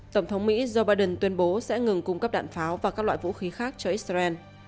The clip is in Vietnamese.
tổng thống mỹ joe biden tuyên bố sẽ ngừng cung cấp đạn pháo và các loại vũ khí khác cho israel